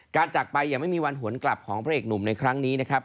จากไปอย่างไม่มีวันหวนกลับของพระเอกหนุ่มในครั้งนี้นะครับ